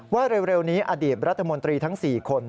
ว่าเร็วนี้อดีตรัฐมนตรีทั้ง๔คน